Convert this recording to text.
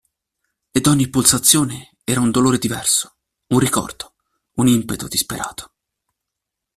Ed ogni pulsazione era un dolore diverso, un ricordo, un impeto disperato.